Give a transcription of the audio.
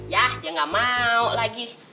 yah dia gak mau lagi